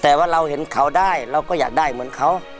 แต่ว่าเราเห็นเขาได้เราก็อยากได้เหมือนเขา